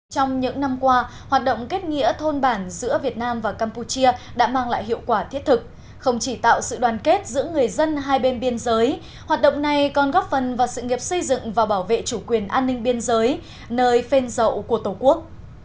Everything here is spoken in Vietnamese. trong những năm qua hoạt động kết nghĩa thôn bản giữa việt nam và campuchia đã mang lại hiệu quả thiết thực không chỉ tạo sự đoàn kết giữa người dân hai bên biên giới hoạt động này còn góp phần vào sự nghiệp xây dựng và bảo vệ chủ quyền an ninh biên giới nơi phên dậu của tổ quốc